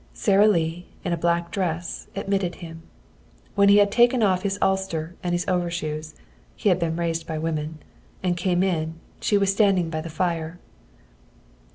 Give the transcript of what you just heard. Sara Lee, in a black dress, admitted him. When he had taken off his ulster and his overshoes he had been raised by women and came in, she was standing by the fire.